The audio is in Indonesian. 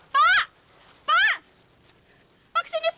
pak pak pak kesini pak